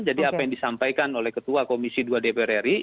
jadi apa yang disampaikan oleh ketua komisi dua dpr ri